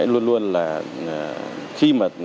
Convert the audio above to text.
luôn luôn là khi mà